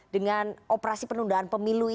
dengan operasi penundaan pemilu